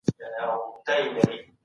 بهرنیو سیلانیانو افغانستان ته سفر کاوه.